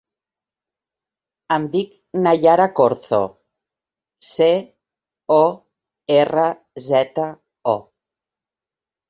Em dic Nayara Corzo: ce, o, erra, zeta, o.